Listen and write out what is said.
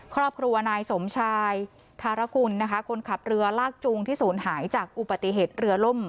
ครอบครัวนายสมชายธารกุลนะคะคนขับเรือลากจูงที่ศูนย์หายจากอุบัติเหตุเรือล่ม